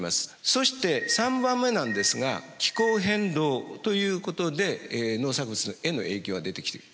そして３番目なんですが気候変動ということで農作物への影響が出てきていると。